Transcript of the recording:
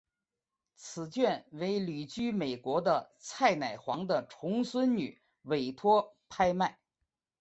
此卷为旅居美国的蔡乃煌的重孙女委托拍卖。